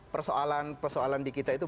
persoalan persoalan di kita itu